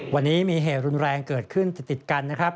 วันนี้มีเหตุรุนแรงเกิดขึ้นติดกันนะครับ